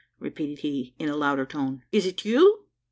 repeated he, in a louder tone, "is it you?"